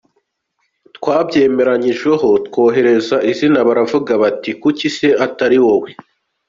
Twabyemeranyijweho, twohereza izina, baravuga bati kuki se atari wowe ?